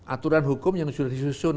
aturan hukum yang sudah disusun